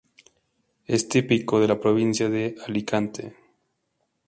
Es típico de la provincia de Alicante.